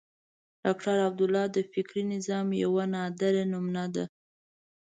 ډاکټر عبدالله د فکري نظام یوه نادره نمونه ده.